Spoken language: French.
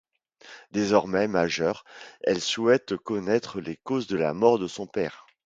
Désormais majeure, elle souhaite connaître les causes de la mort de son père.